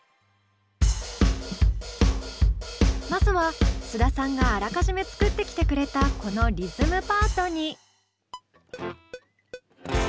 まずは須田さんがあらかじめ作ってきてくれたこのリズムパートに。